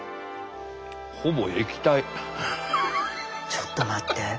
ちょっと待って。